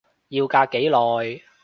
要隔幾耐？